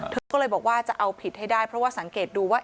เธอก็เลยบอกว่าจะเอาผิดให้ได้เพราะว่าสังเกตดูว่า